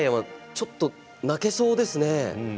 ちょっと泣けそうですね。